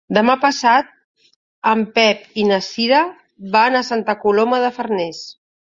Demà passat en Pep i na Cira van a Santa Coloma de Farners.